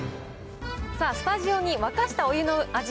さあ、スタジオに沸かしたお湯の味